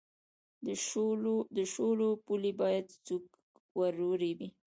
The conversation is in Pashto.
د شولو پولې باید څوک وریبي؟